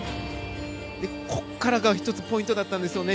ここからが１つポイントだったんです。